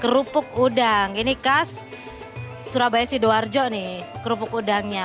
kerupuk udang ini khas surabaya sidoarjo nih kerupuk udangnya